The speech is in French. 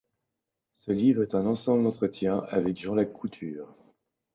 Ce livre est un ensemble d'entretiens avec Jean Lacouture.